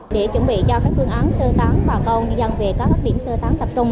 để chuẩn bị cho các phương án sơ tán bà con nhân dân về các điểm sơ tán tập trung